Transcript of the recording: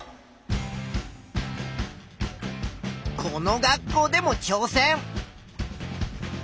この学校でもちょう戦。